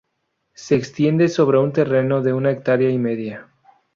Se extiende sobre un terreno de una hectárea y media.